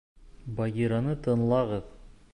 — Багираны тыңлағыҙ.